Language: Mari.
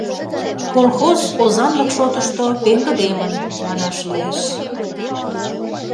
Колхоз озанлык шотышто пеҥгыдемын, манаш лиеш.